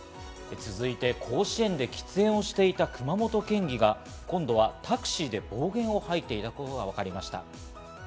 続いて、甲子園で喫煙をしていた熊本県議が今度はタクシーで暴言を吐いていたことがわかりました。